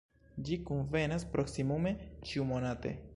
Ĝi kunvenas proksimume ĉiumonate.